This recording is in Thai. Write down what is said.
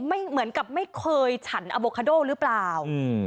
เหมือนกับไม่เคยฉันอโบคาโดหรือเปล่า